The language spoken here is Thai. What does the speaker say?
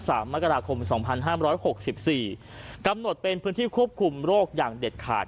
สามมกราคมสองพันห้ามร้อยหกสิบสี่กำหนดเป็นพื้นที่ควบคุมโรคอย่างเด็ดขาด